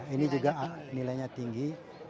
ini juga nilainya tinggi